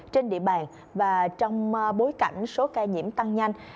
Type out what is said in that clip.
trên địa bàn và trong bối cảnh số ca nhiễm tăng nhanh